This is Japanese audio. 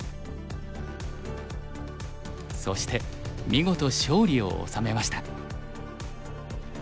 そして見事勝利を収めました。